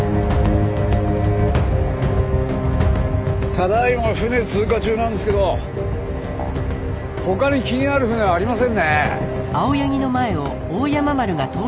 ただ今船通過中なんですけど他に気になる船はありませんね。